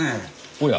おや。